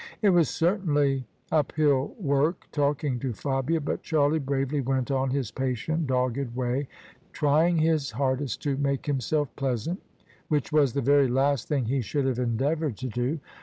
It was certainly up hill work talking to Fabia, but Charlie bravely went on his patient, dogged way, trying his hardest to make himself pleasant, which was the very last thing he should have endeavoured to do.